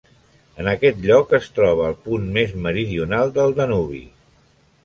En aquest lloc es troba el punt més meridional del Danubi.